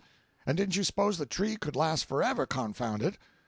And did you s'pose the tree could last for ever, con found it?